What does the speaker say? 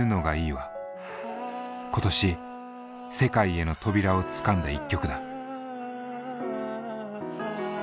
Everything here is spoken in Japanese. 今年世界への扉をつかんだ１曲だ。